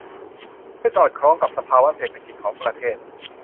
ให้สอดคล้องกับสภาวะเศรษฐกิจของประเทศ